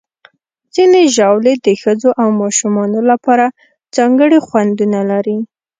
ځینې ژاولې د ښځو او ماشومانو لپاره ځانګړي خوندونه لري.